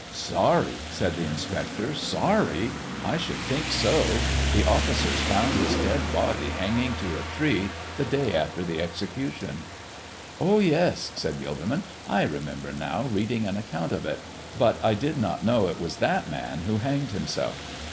"Sorry!" said the inspector "sorry! I should think so. The officers found his dead body hanging to a tree the day after the execution." "Oh yes," said Gilderman, "I remember now reading an account of it. But I did not know it was that man who hanged himself."